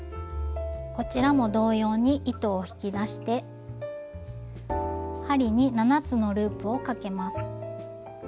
こちらも同様に糸を引き出して針に７つのループをかけます。